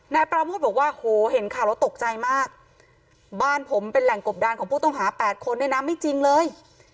นายปราโมทบอกว่าโหเห็นข่าวแล้วตกใจมากบ้านผมเป็นแหล่งกบดานของผู้ต้องหา๘คนเนี่ยนะไม่จริงเลย